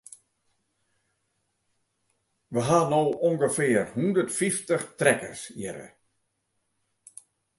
We ha no ûngefear hondert fyftich trekkers hjir.